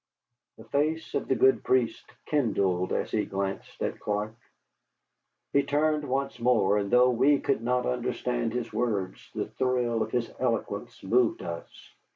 The face of the good priest kindled as he glanced at Clark. He turned once more, and though we could not understand his words, the thrill of his eloquence moved us.